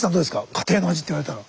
家庭の味って言われたら。